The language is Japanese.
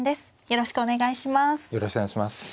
よろしくお願いします。